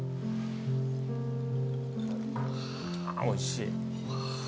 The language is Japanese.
おいしい。